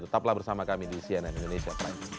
tetaplah bersama kami di cnn indonesia prime